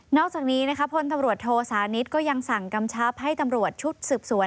อกจากนี้นะคะพลตำรวจโทสานิทก็ยังสั่งกำชับให้ตำรวจชุดสืบสวน